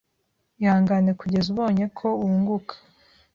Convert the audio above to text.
ihangane kugeza ubonye ko wunguka. ”